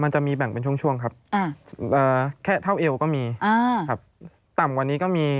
มันจะมีแบ่งเป็นช่วงครับแค่เท่าเอวก็มีครับต่ำกว่านี้ก็มี